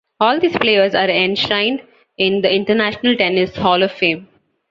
All these players are enshrined in the International Tennis Hall of Fame.